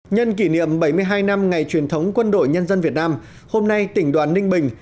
nhân kỷ niệm bảy mươi hai năm ngày truyền thống quân đội nhân dân việt nam hôm nay tỉnh đoàn ninh bình